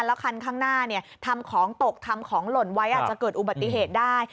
แล้วคันข้างหน้าทำของตกทำของหล่นไว้อาจจะเกิดอุบัติเหตุได้